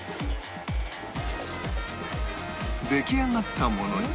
出来上がったものに